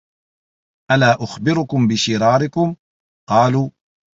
أَلَا أُخْبِرُكُمْ بِشِرَارِكُمْ ؟ قَالُوا